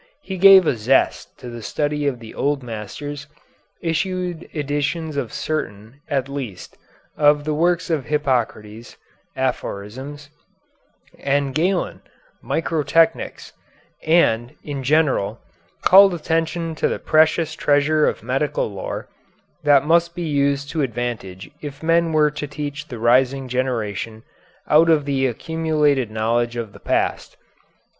He gave a zest to the study of the old masters, issued editions of certain, at least, of the works of Hippocrates ("Aphorisms") and Galen ("Microtechnics"), and, in general, called attention to the precious treasure of medical lore that must be used to advantage if men were to teach the rising generation out of the accumulated knowledge of the past.